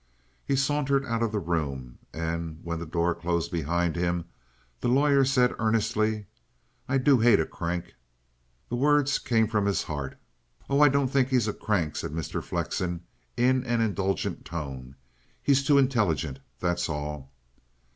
He sauntered out of the room, and when the door closed behind him, the lawyer said earnestly: "I do hate a crank." The words came from his heart. "Oh, I don't think he's a crank," said Mr. Flexen in an indulgent tone. "He's too intelligent; that's all."